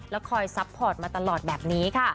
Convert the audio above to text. คอยซัพพอร์ตมาตลอดแบบนี้ค่ะ